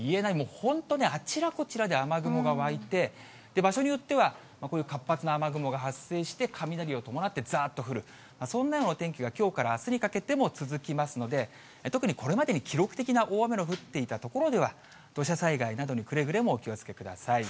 本当ね、あちらこちらで雨雲が湧いて、場所によっては、こういう活発な雨雲が発生して雷を伴ってざーっと降る、そんなようなお天気がきょうからあすにかけても続きますので、特にこれまでに記録的な大雨の降っていた所では、土砂災害などにくれぐれもお気をつけください。